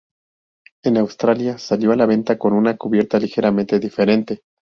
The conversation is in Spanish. En Australia, salió a la venta con una cubierta ligeramente diferente.